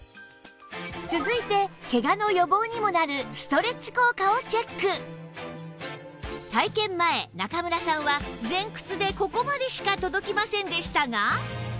続いてケガの予防にもなる体験前中村さんは前屈でここまでしか届きませんでしたが